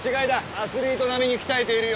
アスリート並みに鍛えているよ。